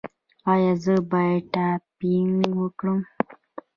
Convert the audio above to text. ایا زه باید ټایپینګ وکړم؟